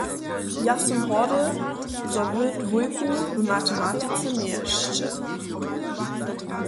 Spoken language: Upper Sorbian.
Ja sym hordy, zo wy dwójku w matematice měješće.